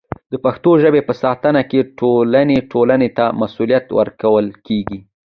د پښتو ژبې په ساتنه کې ټولې ټولنې ته مسوولیت ورکول کېږي.